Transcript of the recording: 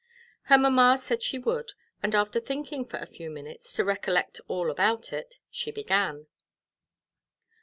Her mamma said she would, and after thinking for a few minutes, to recollect all about it, she began.